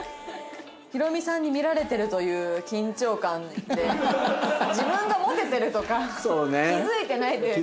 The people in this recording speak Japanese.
ヒロミさんに見られてるという緊張感で自分がモテてるとか気づいてないというか。